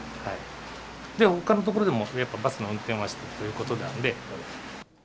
で、ほかのところでもやっぱ、バスの運転はしていたということなんで。